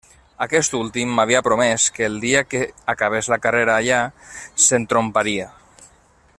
Aquest últim m'havia promès que el dia que acabés la carrera allà s'entromparia.